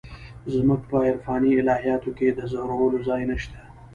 زموږ په عرفاني الهیاتو کې د ځورولو ځای نشته.